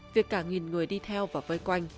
việc cả nghìn người đi theo và vây quanh